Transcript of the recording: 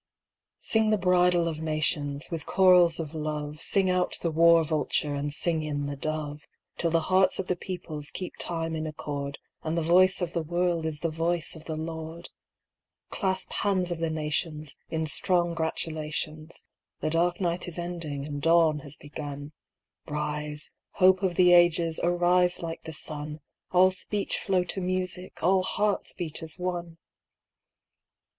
II. Sing the bridal of nations! with chorals of love Sing out the war vulture and sing in the dove, Till the hearts of the peoples keep time in accord, And the voice of the world is the voice of the Lord! Clasp hands of the nations In strong gratulations: The dark night is ending and dawn has begun; Rise, hope of the ages, arise like the sun, All speech flow to music, all hearts beat as one!